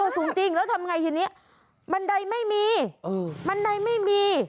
สูงจริงแล้วทำไงทีนี้บันไดไม่มี